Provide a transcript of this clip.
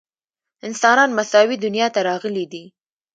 انسانان مساوي دنیا ته راغلي دي.